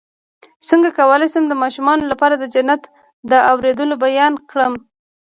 څنګه کولی شم د ماشومانو لپاره د جنت د اوریدلو بیان کړم